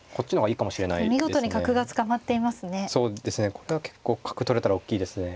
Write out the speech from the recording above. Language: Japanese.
これは結構角取れたらおっきいですね。